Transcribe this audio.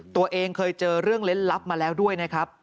ตัวเองเคยเจอเรื่องเล่นลับมาแล้วด้วยนะครับ